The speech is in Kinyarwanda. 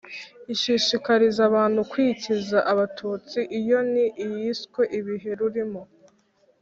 ishishikariza abantu kwikiza abatutsi. iyo ni iyiswe ‘ibihe rurimo